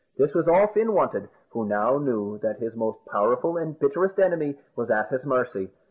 This was all Fin wanted, who now knew that his most powerful and bitterest enemy was at his mercy.